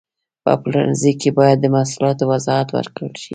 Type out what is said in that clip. په پلورنځي کې باید د محصولاتو وضاحت ورکړل شي.